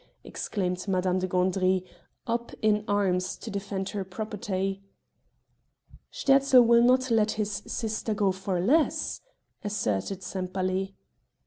exclaimed Madame de Gandry, up in arms to defend her property. "Sterzl will not let his sister go for less," asserted Sempaly.